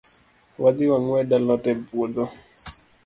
Wadhii wangwed alot e puodho.